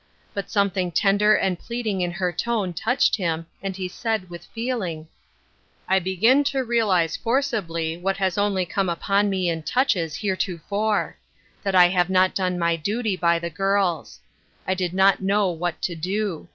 But something tender and pleading in her tone touched him, and he said, with feeling : "I begin to realize forcibly, what has only come upon me in touches heretofore — that I have not done my duty by the girls. I did not know what to do.